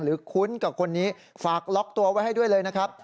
คุ้นกับคนนี้ฝากล็อกตัวไว้ให้ด้วยเลยนะครับ